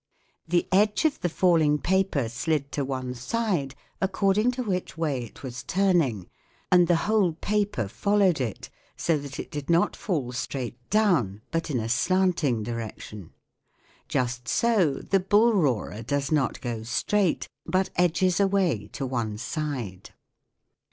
The edge of the falling paper slid to one side, according to which way it was turning, and the whole paper followed it, so that it did not fall straight down but in a slanting direction. Just so the bull roarer does not go straight, but edges away to one side.